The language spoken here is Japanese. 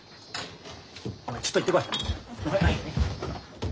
お前ちょっと行ってこい。